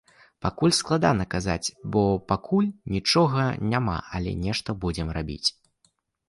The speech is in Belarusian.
Пакуль складана казаць, бо пакуль нічога няма, але нешта будзем рабіць.